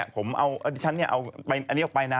ผมเอาอันนี้ออกไปนะ